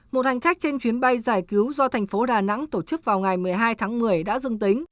một hành khách trên chuyến bay giải cứu do thành phố đà nẵng tổ chức vào ngày một mươi hai tháng một mươi đã dưng tính